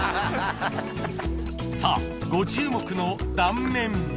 さぁご注目の断面